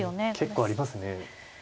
結構ありますね。